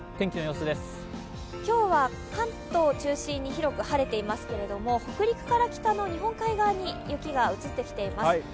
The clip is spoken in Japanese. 今日は関東を中心によく晴れていますけれども、北陸から北の日本海側に雪が移ってきています。